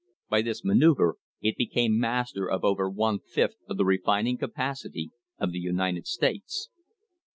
By this manoeuvre it became master of over one fifth of the refining capacity of the United States.